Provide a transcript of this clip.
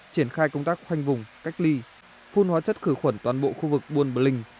triển khai công tác khoanh vùng cách ly phun hóa chất khử khuẩn toàn bộ khu vực buôn bình